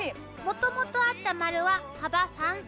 もともとあった丸は幅３ｃｍ。